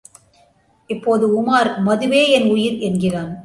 இப்போது உமார், மதுவே என் உயிர் என்கிறான்.